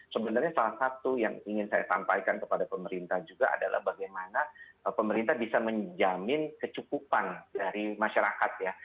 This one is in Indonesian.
sebenarnya salah satu yang ingin saya sampaikan kepada pemerintah juga adalah bagaimana pemerintah bisa menjamin kecukupan dari masyarakat ya